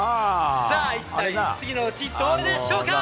さあ、一体、次のうちどれでしょうか。